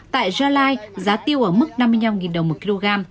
tại gia lai giá tiêu ở mức năm mươi năm đồng một kg